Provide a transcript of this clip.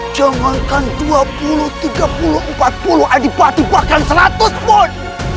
jangankan dua puluh tiga puluh empat puluh adipati bahkan seratus pun